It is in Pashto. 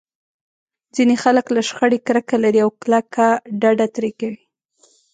ځينې خلک له شخړې کرکه لري او کلکه ډډه ترې کوي.